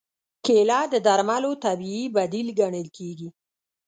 کېله د درملو طبیعي بدیل ګڼل کېږي.